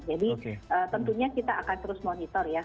jadi tentunya kita akan terus monitor ya